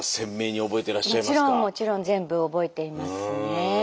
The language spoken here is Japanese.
もちろんもちろん全部覚えていますね。